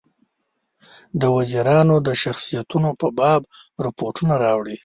د وزیرانو د شخصیتونو په باب رپوټونه راوړي.